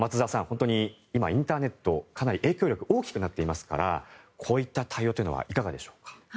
本当に今、インターネットかなり影響力大きくなっていますからこういった対応というのはいかがでしょうか？